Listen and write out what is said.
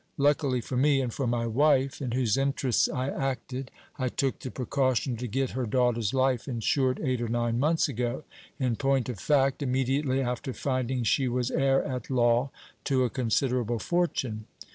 Luckily for me, and for my wife, in whose interests I acted, I took the precaution to get her daughter's life insured eight or nine months ago; in point of fact, immediately after finding she was heir at law to a considerable fortune.